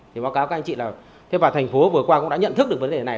thế báo cáo các anh chị là thế và thành phố vừa qua cũng đã nhận thức được vấn đề này